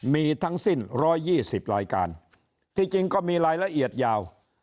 มีทั้งสิ้น๑๒๐รายการที่จริงก็มีรายละเอียดยาว